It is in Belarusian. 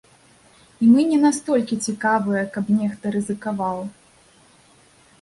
І мы не настолькі цікавыя, каб нехта рызыкаваў.